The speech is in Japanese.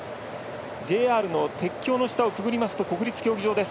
まもなくＪＲの鉄橋の下をくぐりますと国立競技場です。